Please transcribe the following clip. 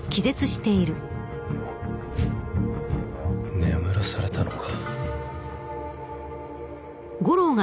眠らされたのか？